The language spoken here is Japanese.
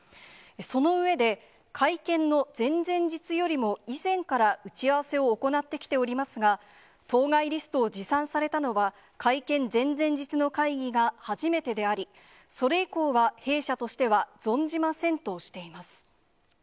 その上で、会見の前々日よりも以前から打ち合わせを行ってきておりますが、当該リストを持参されたのは、会見前々日の会議が初めてであり、それ以降は弊社としては存じませんとしています。